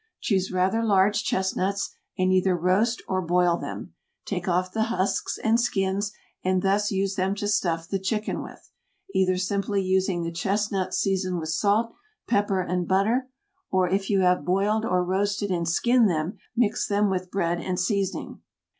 Choose rather large chestnuts and either roast or boil them; take off the husks and skins and thus use them to stuff the chicken with, either simply using the chestnuts seasoned with salt, pepper and butter, or if you have boiled or roasted and skinned them, mix them with bread and seasoning.